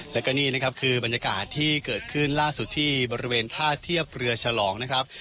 แล้วก็นี่นะครับคือบรรยากาศที่เกิดขึ้นล่าสุดที่บริเวณท่าเทียบเรือฉลองนะครับ